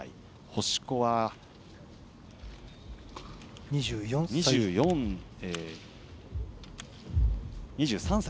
星子は２３歳。